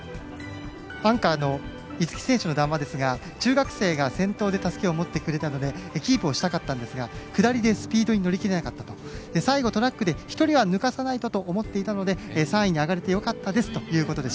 アンカーの逸木選手の談話ですが、中学生が先頭でたすきを持ってくれたのでキープをしたかったんですが下りでスピードに乗り切れなくて最後、トラックで３位に上がれてよかったですということです。